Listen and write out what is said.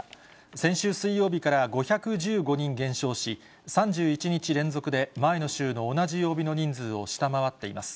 先週水曜日から５１５人減少し、３１日連続で前の週の同じ曜日の人数を下回っています。